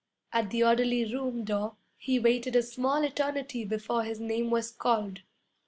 At the orderly room door he waited a small eternity before his name was called.